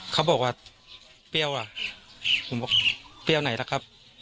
เขาบอกว่าเปรี้ยวล่ะผมบอกเปรี้ยวไหนล่ะครับ